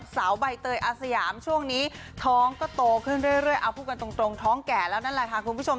สาวใบเตยอาสยามช่วงนี้ท้องก็โตขึ้นเรื่อยเอาพูดกันตรงท้องแก่แล้วนั่นแหละค่ะคุณผู้ชม